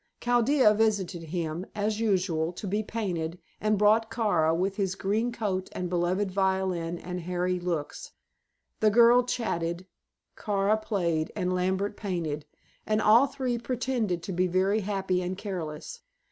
Chaldea visited him, as usual, to be painted, and brought Kara with his green coat and beloved violin and hairy looks. The girl chatted, Kara played, and Lambert painted, and all three pretended to be very happy and careless.